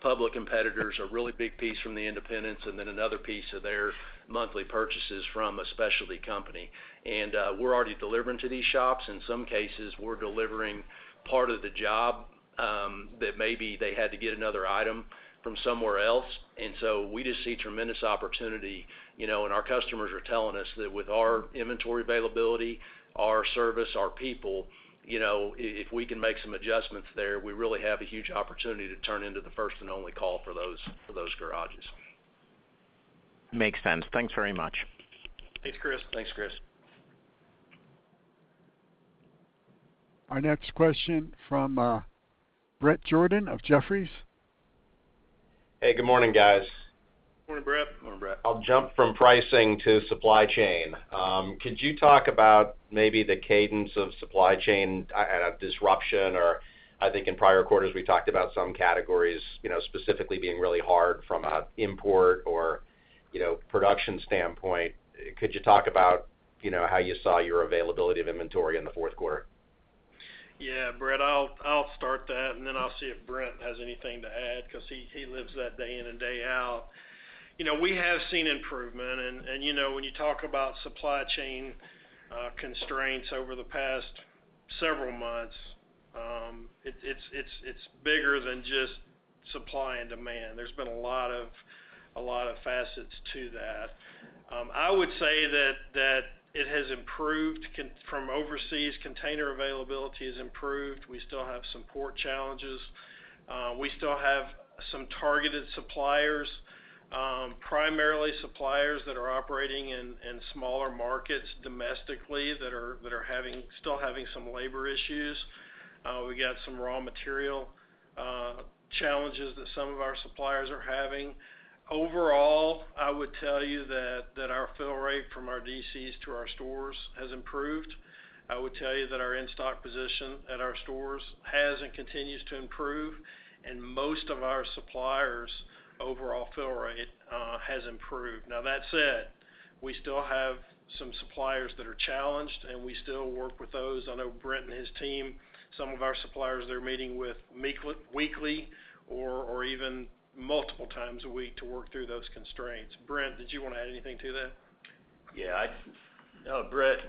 S3: public competitors, a really big piece from the independents, and then another piece of their monthly purchases from a specialty company. We're already delivering to these shops. In some cases, we're delivering part of the job, that maybe they had to get another item from somewhere else. We just see tremendous opportunity, you know, and our customers are telling us that with our inventory availability, our service, our people, you know, if we can make some adjustments there, we really have a huge opportunity to turn into the first and only call for those garages.
S6: Makes sense. Thanks very much.
S7: Thanks, Chris.
S1: Thanks, Chris.
S4: Our next question from Bret Jordan of Jefferies.
S8: Hey, good morning, guys.
S7: Morning, Bret.
S1: Morning, Bret.
S8: I'll jump from pricing to supply chain. Could you talk about maybe the cadence of supply chain disruption? I think in prior quarters, we talked about some categories, you know, specifically being really hard from an import or, you know, production standpoint. Could you talk about, you know, how you saw your availability of inventory in the fourth quarter?
S7: Yeah, Bret, I'll start that, and then I'll see if Brent has anything to add 'cause he lives that day in and day out. You know, we have seen improvement. You know, when you talk about supply chain constraints over the past several months, it's bigger than just supply and demand. There's been a lot of facets to that. I would say that it has improved. From overseas, container availability has improved. We still have some port challenges. We still have some targeted suppliers, primarily suppliers that are operating in smaller markets domestically that are having some labor issues. We've got some raw material challenges that some of our suppliers are having. Overall, I would tell you that our fill rate from our DCs to our stores has improved. I would tell you that our in-stock position at our stores has and continues to improve, and most of our suppliers' overall fill rate has improved. Now that said, we still have some suppliers that are challenged, and we still work with those. I know Brent and his team, some of our suppliers, they're meeting with weekly or even multiple times a week to work through those constraints. Brent, did you wanna add anything to that?
S9: Bret,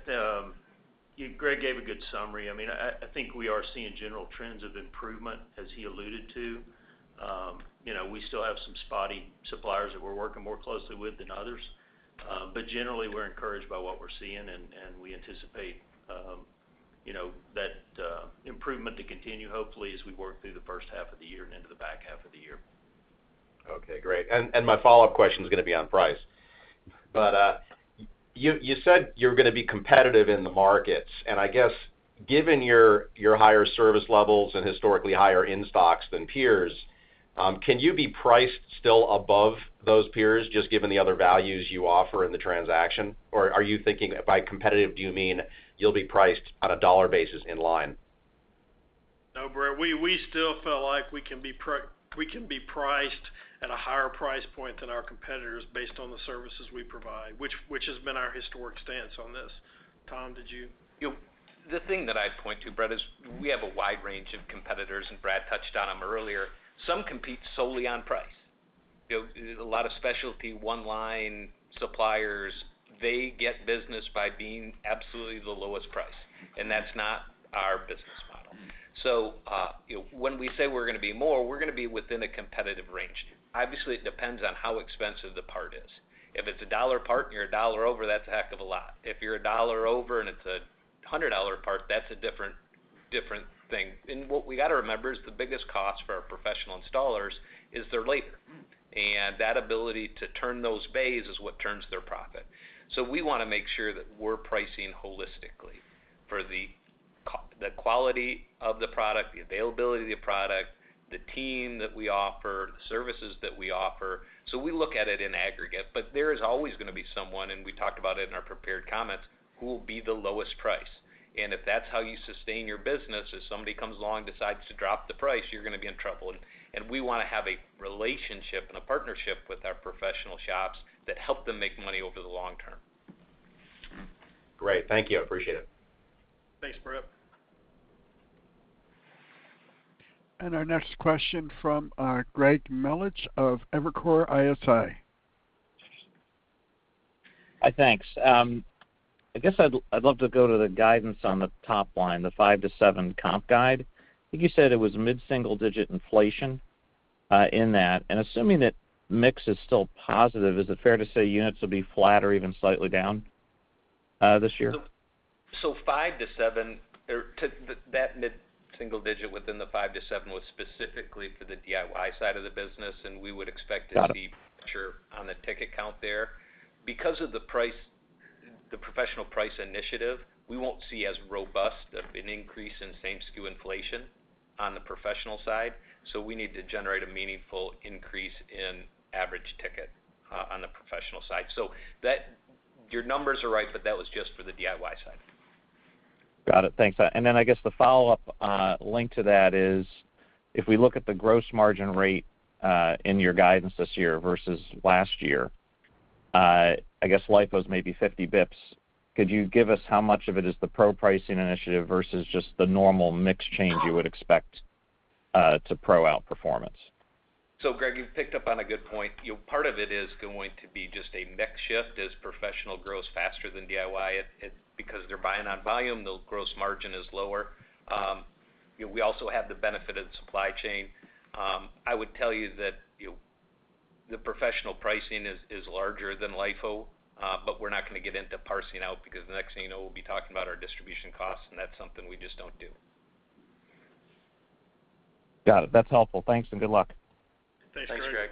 S9: Greg gave a good summary. I think we are seeing general trends of improvement as he alluded to. We still have some spotty suppliers that we're working more closely with than others. Generally, we're encouraged by what we're seeing, and we anticipate that improvement to continue hopefully as we work through the first half of the year and into the back half of the year.
S8: Okay, great. My follow-up question is gonna be on price. You said you're gonna be competitive in the markets. I guess given your higher service levels and historically higher in-stocks than peers, can you be priced still above those peers just given the other values you offer in the transaction? Or are you thinking, by competitive, do you mean you'll be priced on a dollar basis in line?
S7: No, Bret, we still feel like we can be priced at a higher price point than our competitors based on the services we provide, which has been our historic stance on this. Tom, did you-
S1: The thing that I'd point to, Bret, is we have a wide range of competitors, and Brad touched on them earlier. Some compete solely on price. You know, a lot of specialty one-line suppliers, they get business by being absolutely the lowest price, and that's not our business model. So, you know, when we say we're gonna be more, we're gonna be within a competitive range. Obviously, it depends on how expensive the part is. If it's a dollar part and you're a dollar over, that's a heck of a lot. If you're a dollar over and it's a hundred dollar part, that's a different thing. What we gotta remember is the biggest cost for our professional installers is their labor. That ability to turn those bays is what turns their profit. We wanna make sure that we're pricing holistically for the the quality of the product, the availability of the product, the team that we offer, the services that we offer. We look at it in aggregate, but there is always gonna be someone, and we talked about it in our prepared comments, who will be the lowest price. If that's how you sustain your business, if somebody comes along and decides to drop the price, you're gonna be in trouble. We wanna have a relationship and a partnership with our professional shops that help them make money over the long term.
S8: Great. Thank you. I appreciate it.
S7: Thanks, Bret.
S4: Our next question from Greg Melich of Evercore ISI.
S10: Hi, thanks. I guess I'd love to go to the guidance on the top line, the five to seven comp guide. I think you said it was mid-single-digit inflation in that. Assuming that mix is still positive, is it fair to say units will be flat or even slightly down this year?
S1: 5%-7% or 2%, that mid-single digit within the 5%-7% was specifically for the DIY side of the business, and we would expect it to be richer on the ticket count there. Because of the price, the professional price initiative, we won't see as robust of an increase in same SKU inflation on the professional side. We need to generate a meaningful increase in average ticket on the professional side. Your numbers are right, but that was just for the DIY side.
S10: Got it. Thanks. Then I guess the follow-up link to that is, if we look at the gross margin rate in your guidance this year versus last year, I guess LIFO is maybe 50 basis points. Could you give us how much of it is the pro pricing initiative versus just the normal mix change you would expect to pro outperformance?
S1: Greg, you've picked up on a good point. You know, part of it is going to be just a mix shift as professional grows faster than DIY. The gross margin is lower because they're buying on volume. You know, we also have the benefit of the supply chain. I would tell you that the professional pricing is larger than LIFO, but we're not gonna get into parsing out because the next thing you know, we'll be talking about our distribution costs, and that's something we just don't do.
S10: Got it. That's helpful. Thanks, and good luck.
S1: Thanks, Greg.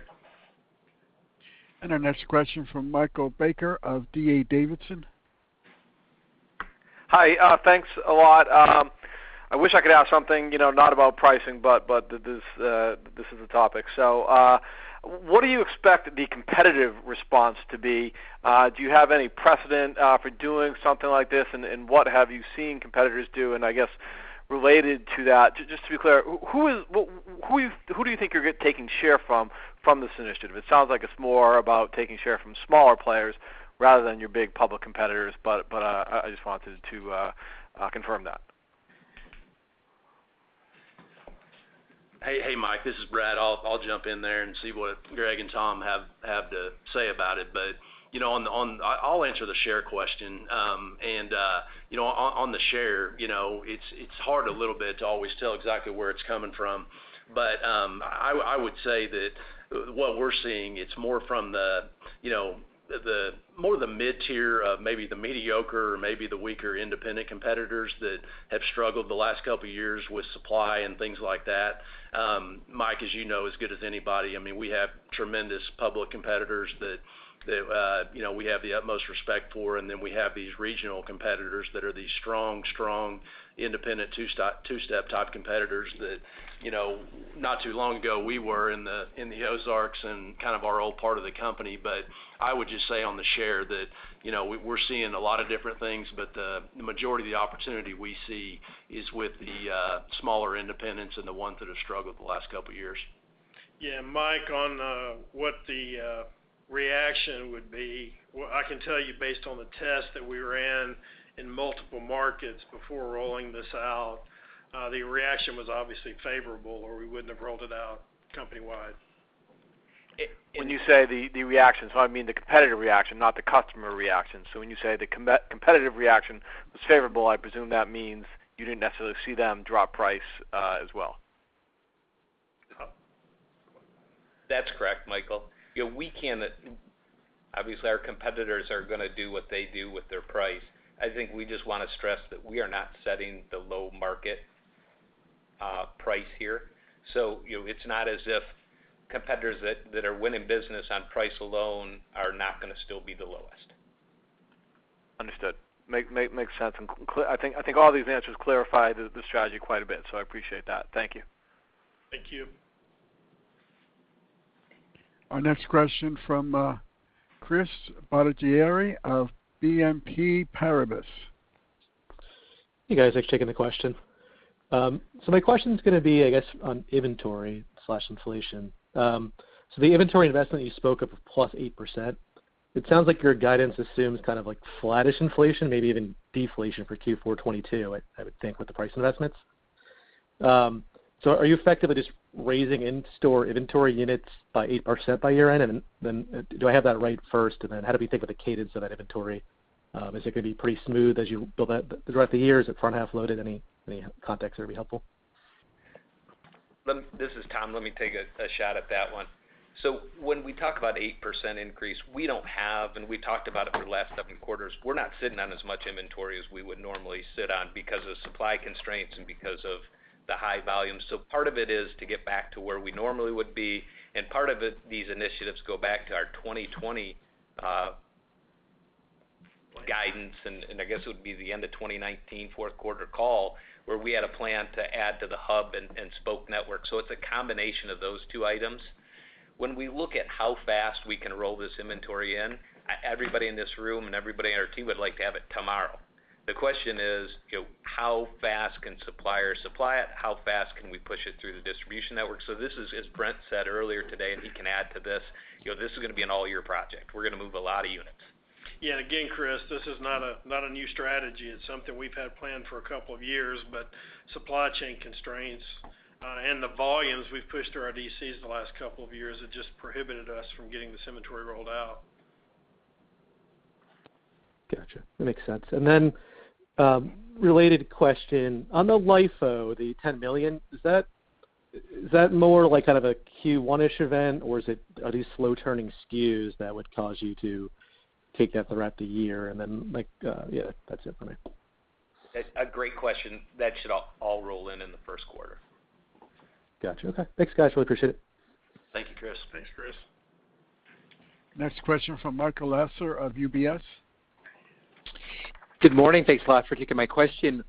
S4: Our next question from Michael Baker of D.A. Davidson.
S11: Hi. Thanks a lot. I wish I could ask something, you know, not about pricing, but this is the topic. What do you expect the competitive response to be? Do you have any precedent for doing something like this? What have you seen competitors do? I guess related to that, just to be clear, who do you think you're taking share from this initiative? It sounds like it's more about taking share from smaller players rather than your big public competitors. I just wanted to confirm that.
S3: Hey, Mike, this is Brad. I'll jump in there and see what Greg and Tom have to say about it. You know, I'll answer the share question. You know, on the share, you know, it's hard a little bit to always tell exactly where it's coming from. I would say that what we're seeing, it's more from the, you know, the more the mid-tier, maybe the mediocre or maybe the weaker independent competitors that have struggled the last couple of years with supply and things like that. Mike, as you know as good as anybody, I mean, we have tremendous public competitors that, you know, we have the utmost respect for, and then we have these regional competitors that are these strong, independent two-step type competitors that, you know, not too long ago, we were in the Ozarks and kind of our old part of the company. But I would just say on the share that, you know, we're seeing a lot of different things, but the majority of the opportunity we see is with the smaller independents and the ones that have struggled the last couple of years.
S2: Yeah, Mike, on what the reaction would be, well, I can tell you based on the test that we ran in multiple markets before rolling this out, the reaction was obviously favorable, or we wouldn't have rolled it out company-wide.
S11: When you say the reaction, I mean, the competitive reaction, not the customer reaction. When you say the competitive reaction was favorable, I presume that means you didn't necessarily see them drop price as well.
S1: That's correct, Michael. You know, obviously, our competitors are gonna do what they do with their price. I think we just wanna stress that we are not setting the low market price here. You know, it's not as if competitors that are winning business on price alone are not gonna still be the lowest.
S11: Understood. Makes sense. I think all these answers clarified the strategy quite a bit, so I appreciate that. Thank you.
S2: Thank you.
S4: Our next question from Chris Bottiglieri of BNP Paribas.
S12: Hey, guys. Thanks for taking the question. My question is gonna be, I guess, on inventory inflation. The inventory investment you spoke of +8%, it sounds like your guidance assumes kind of like flattish inflation, maybe even deflation for Q4 2022, I would think, with the price investments. Are you effectively just raising in-store inventory units by 8% by year-end? And then, do I have that right first? And then how do we think of the cadence of that inventory? Is it gonna be pretty smooth as you build that throughout the year? Is it front-half loaded? Any context that would be helpful.
S1: This is Tom. Let me take a shot at that one. When we talk about 8% increase, we don't have, and we talked about it for the last seven quarters, we're not sitting on as much inventory as we would normally sit on because of supply constraints and because of the high volume. Part of it is to get back to where we normally would be, and part of it, these initiatives go back to our 2020 guidance, and I guess it would be the end of 2019 fourth quarter call, where we had a plan to add to the hub and spoke network. It's a combination of those two items. When we look at how fast we can roll this inventory in, everybody in this room and everybody on our team would like to have it tomorrow. The question is, you know, how fast can suppliers supply it? How fast can we push it through the distribution network? This is, as Brent said earlier today, and he can add to this, you know, this is gonna be an all-year project. We're gonna move a lot of units.
S2: Yeah. Again, Chris, this is not a new strategy. It's something we've had planned for a couple of years, but supply chain constraints and the volumes we've pushed through our DCs the last couple of years have just prohibited us from getting this inventory rolled out.
S12: Gotcha. That makes sense. Related question. On the LIFO, the $10 million, is that more like kind of a Q1-ish event or are these slow turning SKUs that would cause you to take that throughout the year? Yeah, that's it for me.
S1: That's a great question. That should all roll in the first quarter.
S12: Gotcha. Okay. Thanks, guys. Really appreciate it.
S1: Thank you, Chris.
S2: Thanks, Chris.
S4: Next question from Michael Lasser of UBS.
S13: Good morning. Thanks a lot for taking my question.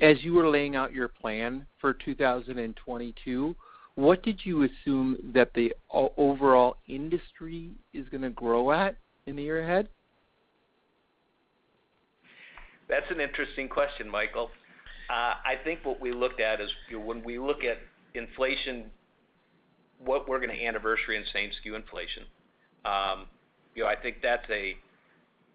S13: As you were laying out your plan for 2022, what did you assume that the overall industry is gonna grow at in the year ahead?
S1: That's an interesting question, Michael. I think what we looked at is when we look at inflation, what we're gonna anniversary in same SKU inflation. You know, I think that's a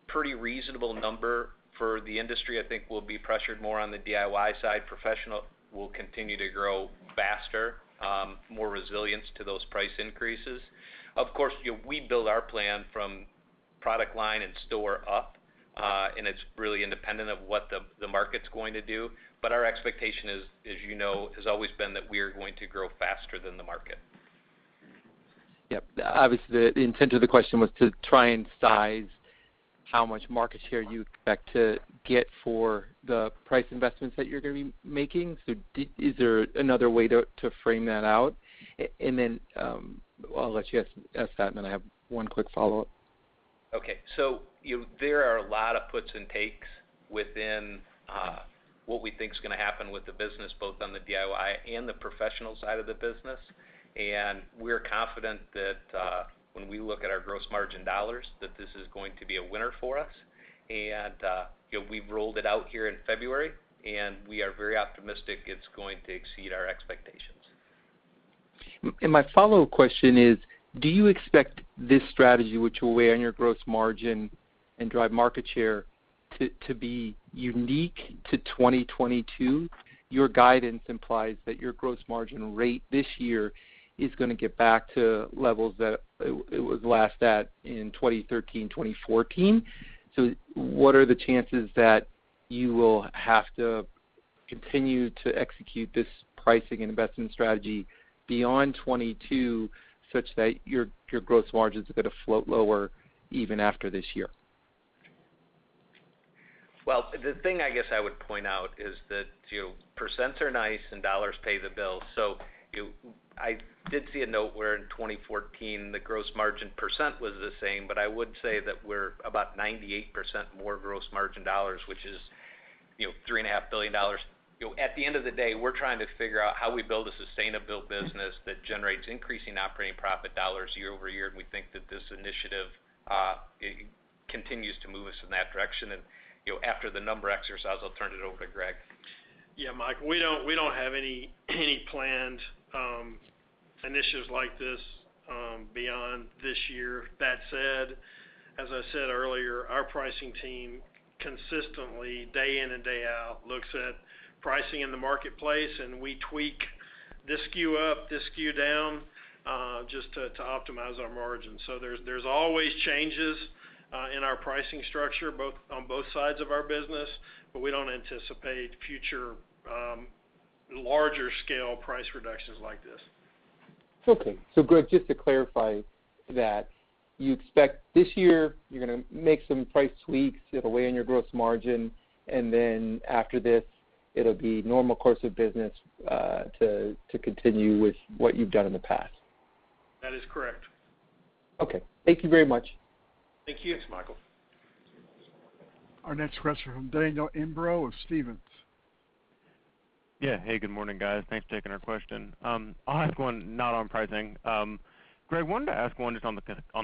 S1: pretty reasonable number for the industry. I think we'll be pressured more on the DIY side. Professional will continue to grow faster, more resilience to those price increases. Of course, you know, we build our plan from product line and store up, and it's really independent of what the market's going to do. Our expectation is, as you know, has always been that we are going to grow faster than the market.
S13: Yep. Obviously, the intent of the question was to try and size how much market share you expect to get for the price investments that you're gonna be making. Is there another way to frame that out? And then I'll let you ask that, and then I have one quick follow-up.
S1: Okay. There are a lot of puts and takes within what we think is gonna happen with the business, both on the DIY and the professional side of the business. We're confident that when we look at our gross margin dollars, that this is going to be a winner for us. You know, we've rolled it out here in February, and we are very optimistic it's going to exceed our expectations.
S13: My follow-up question is, do you expect this strategy, which will weigh on your gross margin and drive market share, to be unique to 2022? Your guidance implies that your gross margin rate this year is gonna get back to levels that it was last at in 2013-2014. What are the chances that you will have to continue to execute this pricing and investment strategy beyond 2022 such that your gross margins are gonna float lower even after this year?
S1: Well, the thing I guess I would point out is that, you know, percents are nice and dollars pay the bills. So, I did see a note where in 2014 the gross margin % was the same, but I would say that we're about 98% more gross margin dollars, which is, you know, $3.5 billion. You know, at the end of the day, we're trying to figure out how we build a sustainable business that generates increasing operating profit dollars year over year, and we think that this initiative continues to move us in that direction. You know, after the number exercise, I'll turn it over to Greg.
S2: Yeah, Mike, we don't have any planned initiatives like this beyond this year. That said, as I said earlier, our pricing team consistently day in and day out looks at pricing in the marketplace, and we tweak this SKU up, this SKU down just to optimize our margins. There's always changes in our pricing structure both on both sides of our business, but we don't anticipate future larger scale price reductions like this.
S13: Okay. Greg, just to clarify that, you expect this year you're gonna make some price tweaks, it'll weigh on your gross margin, and then after this, it'll be normal course of business, to continue with what you've done in the past?
S2: That is correct.
S13: Okay. Thank you very much.
S1: Thank you.
S2: Thanks, Michael.
S4: Our next question from Daniel Imbro of Stephens.
S14: Yeah. Hey, good morning, guys. Thanks for taking our question. I'll ask one not on pricing. Greg, I wanted to ask one just on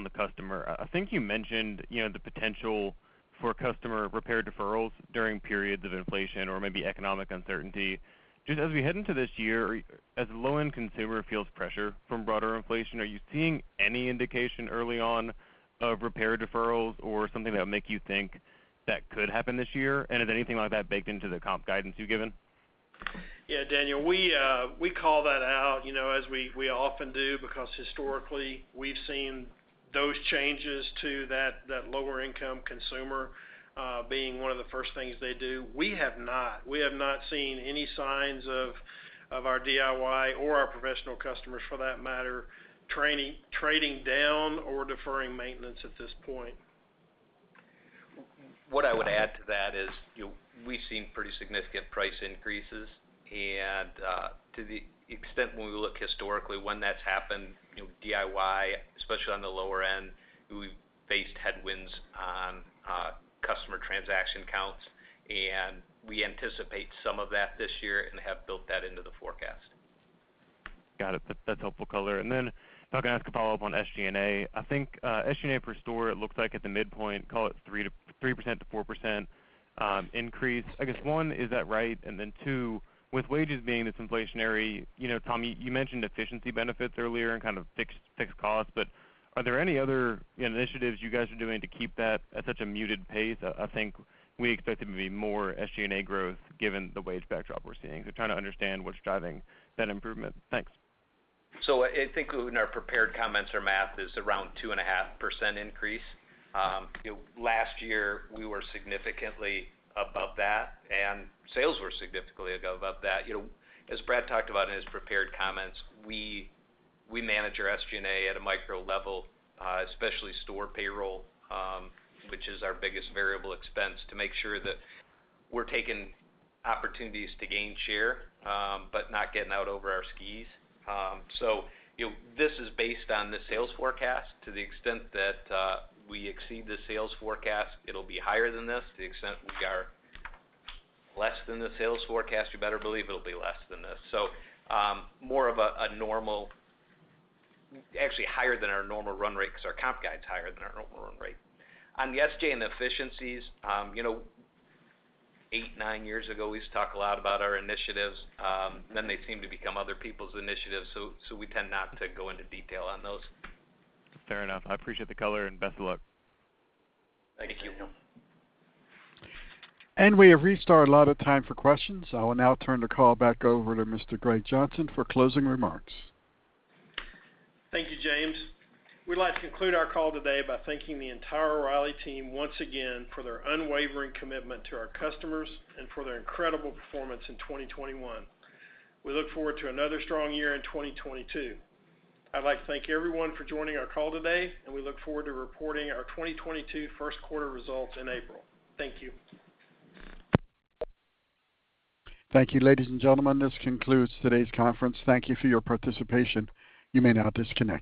S14: the customer. I think you mentioned, you know, the potential for customer repair deferrals during periods of inflation or maybe economic uncertainty. Just as we head into this year, as the low-end consumer feels pressure from broader inflation, are you seeing any indication early on of repair deferrals or something that would make you think that could happen this year? And is anything like that baked into the comp guidance you've given?
S2: Yeah, Daniel, we call that out, you know, as we often do, because historically we've seen those changes to that lower income consumer being one of the first things they do. We have not seen any signs of our DIY or our professional customers for that matter trading down or deferring maintenance at this point.
S1: What I would add to that is, you know, we've seen pretty significant price increases. To the extent when we look historically when that's happened, you know, DIY, especially on the lower end, we've faced headwinds on customer transaction counts, and we anticipate some of that this year and have built that into the forecast.
S14: Got it. That's helpful color. If I can ask a follow-up on SG&A. I think SG&A per store, it looks like at the midpoint, call it 3%-4% increase. I guess, one, is that right? Then two, with wages being this inflationary, you know, Tom, you mentioned efficiency benefits earlier and kind of fixed costs, but are there any other initiatives you guys are doing to keep that at such a muted pace? I think we expected there to be more SG&A growth given the wage backdrop we're seeing. Trying to understand what's driving that improvement. Thanks.
S1: I think in our prepared comments, our math is around 2.5% increase. You know, last year we were significantly above that, and sales were significantly above that. You know, as Brad talked about in his prepared comments, we manage our SG&A at a micro level, especially store payroll, which is our biggest variable expense, to make sure that we're taking opportunities to gain share, but not getting out over our skis. You know, this is based on the sales forecast. To the extent that we exceed the sales forecast, it'll be higher than this. The extent we are less than the sales forecast, you better believe it'll be less than this. More of a normal. Actually higher than our normal run rate because our comp guide's higher than our normal run rate. On the SG and efficiencies, you know, eight, nine years ago, we used to talk a lot about our initiatives, then they seem to become other people's initiatives, so we tend not to go into detail on those.
S14: Fair enough. I appreciate the color and best of luck.
S1: Thank you.
S2: Thank you.
S4: We have reached our allotted time for questions. I will now turn the call back over to Mr. Greg Johnson for closing remarks.
S2: Thank you, James. We'd like to conclude our call today by thanking the entire O'Reilly team once again for their unwavering commitment to our customers and for their incredible performance in 2021. We look forward to another strong year in 2022. I'd like to thank everyone for joining our call today, and we look forward to reporting our 2022 first quarter results in April. Thank you.
S4: Thank you. Ladies and gentlemen, this concludes today's conference. Thank you for your participation. You may now disconnect.